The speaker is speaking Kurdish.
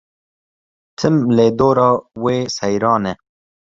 Tim li dor wê seyran e.